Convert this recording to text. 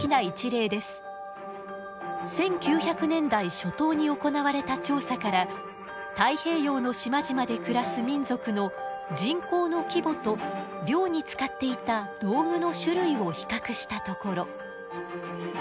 １９００年代初頭に行われた調査から太平洋の島々で暮らす民族の人口の規模と漁に使っていた道具の種類を比較したところ。